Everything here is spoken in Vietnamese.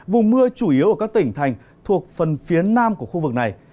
vùng mưa chủ yếu ở các tỉnh thành thuộc phần phía nam của khu vực này